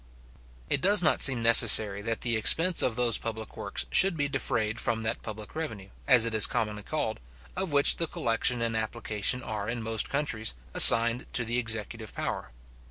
It does not seem necessary that the expense of those public works should be defrayed from that public revenue, as it is commonly called, of which the collection and application are in most countries, assigned to the executive power.